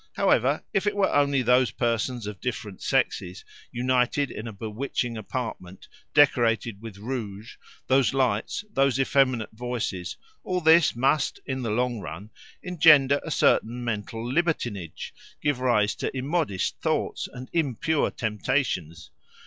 However, if it were only those persons of different sexes united in a bewitching apartment, decorated rouge, those lights, those effeminate voices, all this must, in the long run, engender a certain mental libertinage, give rise to immodest thoughts and impure temptations.